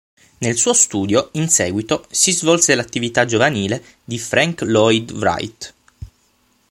Nel suo studio, in seguito, si svolse l'attività giovanile di Frank Lloyd Wright.